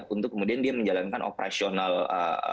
untuk kemudian dia menjalankan operasional